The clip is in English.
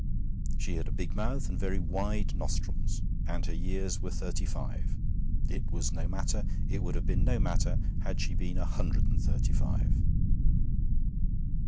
She had a big mouth and very wide nostrils, and her years were thirty five. It was no matter; it would have been no matter had she been a hundred and thirty five.